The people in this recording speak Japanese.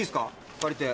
借りて。